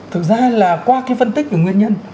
thực ra là qua cái phân tích về nguyên nhân